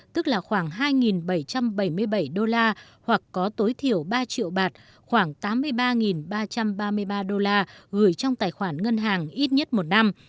tức là khoảng hai bảy trăm bảy mươi bảy đô la hoặc có tối thiểu ba triệu bạt khoảng tám mươi ba ba trăm ba mươi ba đô la gửi trong tài khoản ngân hàng ít nhất một năm